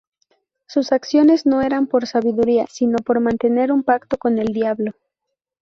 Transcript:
Sus acciones no eran por sabiduría sino por mantener un pacto con el Diablo.